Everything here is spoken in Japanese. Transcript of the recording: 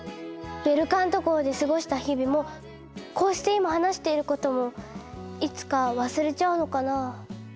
ベルカント号で過ごした日々もこうして今話していることもいつか忘れちゃうのかな？